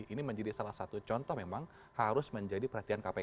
ini menjadi salah satu contoh memang harus menjadi perhatian kpk